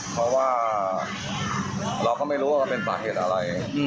เราก็ไม่รู้ว่าเป็นสาเหตุอะไร